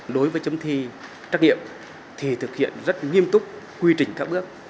đối với chấm thi trách nhiệm thì thực hiện rất nghiêm túc quy trình các bước